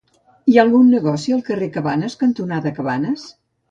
Hi ha algun negoci al carrer Cabanes cantonada Cabanes?